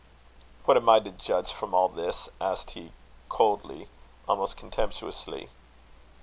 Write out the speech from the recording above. "What am I to judge from all this?" asked he, coldly, almost contemptuously.